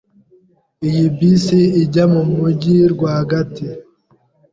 Iyi bisi ijya mumujyi rwagati?